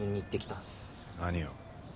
何を？